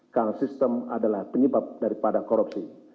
karena sistem adalah penyebab daripada korupsi